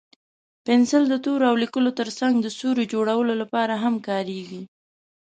پنسل د تورو او لیکلو تر څنګ د سیوري جوړولو لپاره هم کارېږي.